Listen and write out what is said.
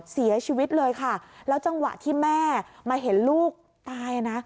เสียชีวิตเลยค่ะแล้วจังหวะที่แม่มาเห็นลูกตายนะ